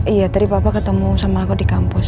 iya tadi bapak ketemu sama aku di kampus